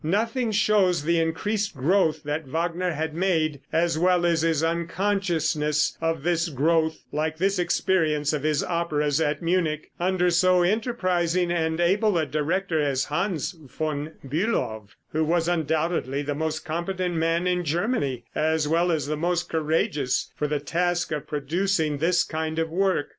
Nothing shows the increased growth that Wagner had made, as well as his unconsciousness of this growth, like this experience of his operas at Munich, under so enterprising and able a director as Hans von Bülow who was undoubtedly the most competent man in Germany, as well as the most courageous, for the task of producing this kind of work.